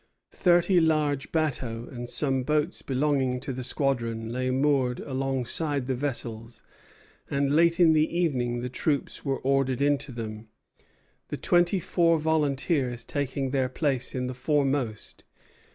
Thirty large bateaux and some boats belonging to the squadron lay moored alongside the vessels; and late in the evening the troops were ordered into them, the twenty four volunteers taking their place in the foremost.